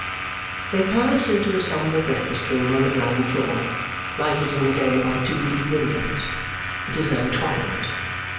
They pass into a sombre breakfast room on the ground floor, lighted in the day by two deep windows. It is now twilight.